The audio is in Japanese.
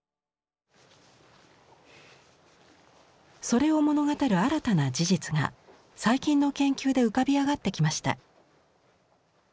それを物語る新たな事実が最近の研究で浮かび上がってきました。